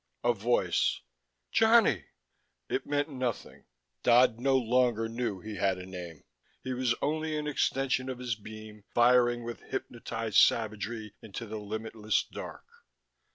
A voice: "... Johnny...." It meant nothing. Dodd no longer knew he had a name: he was only an extension of his beam, firing with hypnotized savagery into the limitless dark.